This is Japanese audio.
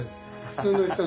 普通の人。